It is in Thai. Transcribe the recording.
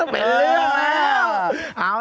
ไปเรียกแล้ว